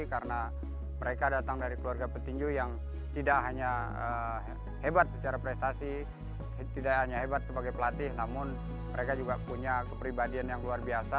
karena mereka datang dari keluarga petinju yang tidak hanya hebat secara prestasi tidak hanya hebat sebagai pelatih namun mereka juga punya kepribadian yang luar biasa